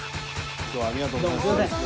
今日はありがとうございます。